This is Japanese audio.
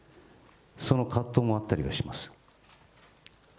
その葛藤もあったりはします。